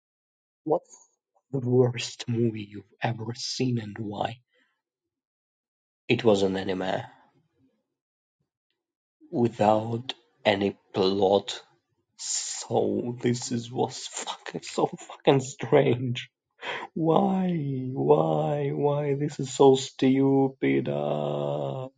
What's the worst movie you've ever seen, and why? It was an anime without any plot, so this is what's fucking so fucking strange. Why? Why? Why? This is so stupid ahh.